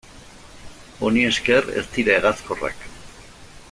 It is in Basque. Honi esker ez dira hegazkorrak.